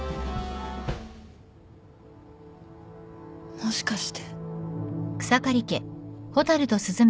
もしかして。